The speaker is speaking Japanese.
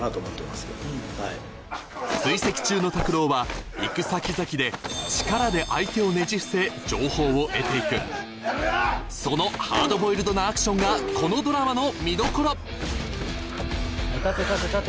追跡中の拓郎は行く先々で力で相手をねじ伏せ情報を得て行くそのハードボイルドなアクションがこのドラマの見どころ立て立て立て。